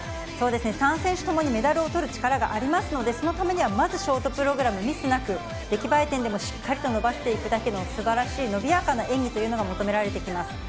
３選手ともにメダルをとる力がありますので、そのためにはまずショートプログラム、ミスなく、出来栄え点でもしっかりと伸ばしていくだけのすばらしい伸びやかな演技というのが求められてきます。